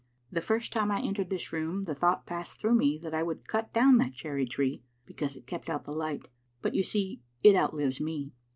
" The first time I en tered this room the thought passed through me that I would cut down that cherry tree, because it kept out the light, but, you see, it outlives me.